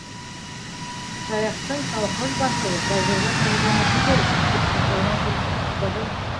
Саяфтың колхоз баҫыуы тәжрибә полигоны түгел, тип ҡыҫыуынан килеп сыҡты был.